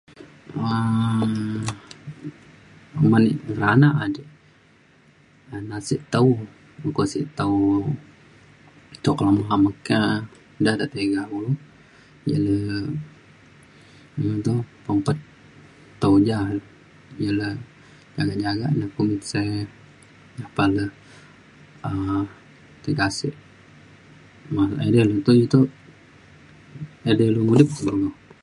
um] malek ra na de. na sik tau uko sek tau [unintelligible] meka meka da de tiga kulu. ja le iu toh pempet tau ja. [unintelligible] jagak jagak le kumbin sek apan le um tiga sek me edei le [unintelligible] edei mudip kulo